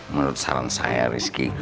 menurut saran saya rizky